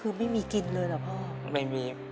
คือไม่มีกินเลยเหรอพ่อไม่มี